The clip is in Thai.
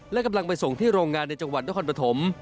และกำลังไปส่งที่โรงงานในจังหวัดนครปฐม